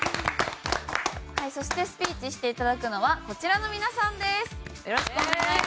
そしてスピーチして頂くのはこちらの皆さんです。